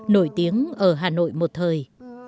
nổi tiếng ở hà nội một thời